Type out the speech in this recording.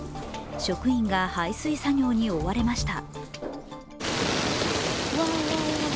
職員が排水作業に追われました。